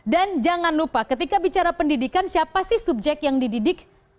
dan jangan lupa ketika bicara pendidikan siapa sih subjek yang dididik